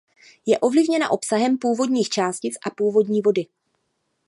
Je ovlivněna obsahem půdních částic a půdní vody.